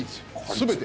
全て。